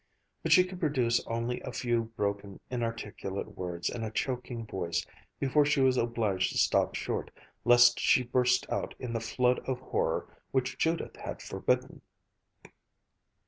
But she could produce only a few, broken, inarticulate words in a choking voice before she was obliged to stop short, lest she burst out in the flood of horror which Judith had forbidden.